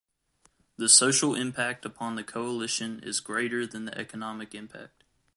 The social impact upon the Coalition is greater than the economic impact.